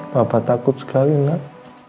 papa takut sekali nak